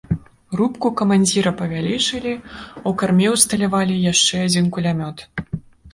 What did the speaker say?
Рубку камандзіра павялічылі, а ў карме ўсталявалі яшчэ адзін кулямёт.